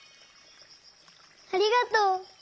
ありがとう！